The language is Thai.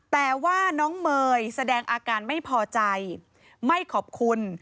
แต่ว่าน้องเมย์แสดงอาการไม่พอใจไม่ขอบคุณ